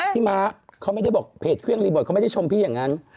ม้าเขาไม่ได้บอกเพจเครื่องรีเบิร์ตเขาไม่ได้ชมพี่อย่างนั้น